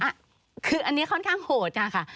อ่ะคืออันนี้ค่อนข้างโหดค่ะ